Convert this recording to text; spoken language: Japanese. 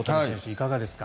いかがですか？